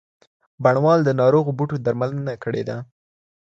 بڼوال د ناروغو بوټو درملنه کړې ده.